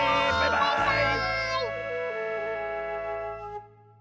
バイバーイ！